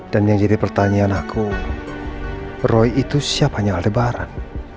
dan yang jadi pertanyaan aku roy itu siapanya aldebaran